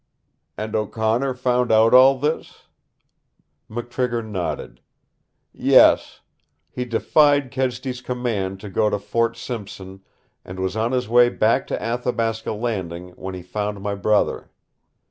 "And O'Connor found out all this?" McTrigger nodded. "Yes. He defied Kedsty's command to go to Fort Simpson and was on his way back to Athabasca Landing when he found my brother.